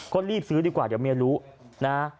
ก็รีบซื้อดีกว่าเดี๋ยวเมียรู้นะ